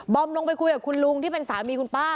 อมลงไปคุยกับคุณลุงที่เป็นสามีคุณป้า